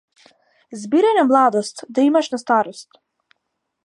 Збирај на младост, да имаш на старост.